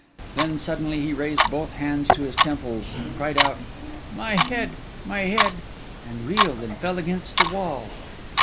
Then suddenly he raised both hands to his temples, cried out, 'My head, my head!' and reeled and fell against the wall.